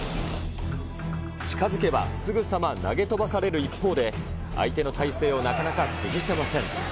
近づけばすぐさま投げ飛ばされる一方で、相手の体勢をなかなか崩せません。